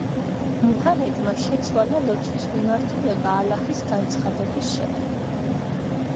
მუჰამედმა შეცვალა ლოცვის მიმართულება ალაჰის განცხადების შემდეგ.